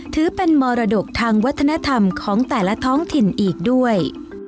ถือเป็นมรดกทางวัฒนธรรมของแต่ละท้องถิ่นอีกด้วย